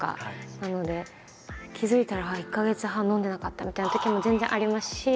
なので気付いたら１か月半飲んでなかったみたいなときも全然ありますし。